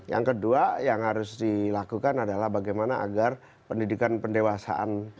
yang kedua yang harus dilakukan adalah bagaimana agar pendidikan pendewasaan